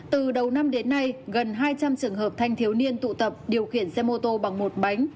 từ đầu năm đến nay gần hai trăm linh trường hợp thanh thiếu niên tụ tập điều khiển xe mô tô bằng một bánh